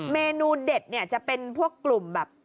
เมนูเด็ดเนี่ยจะเป็นพวกกลุ่มแบบ